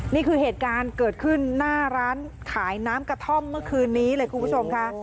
นี่คือเหตุการณ์เกิดขึ้นหน้าร้านขายน้ำกระท่อมเมื่อคืนนี้เลยคุณผู้ชมค่ะ